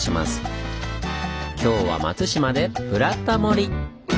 今日は松島で「ブラタモリ」！